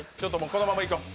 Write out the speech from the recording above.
このままいこう。